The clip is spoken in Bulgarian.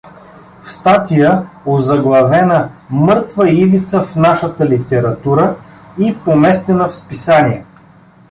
В статия, озаглавена „Мъртва ивица в нашата литература“ и поместена в сп.